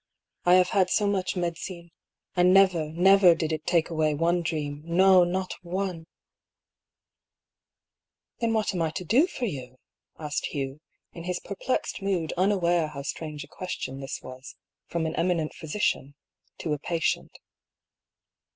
" I have had so much medicine^ and never, never did it take away one dream; no, not one !"" Then what am I to do for you ?" asked Hugh, in his perplexed mood unaware how strange a question this was from an eminent physician to a patient.